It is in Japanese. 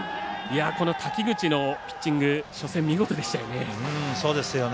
滝口のピッチング初戦、見事でしたよね。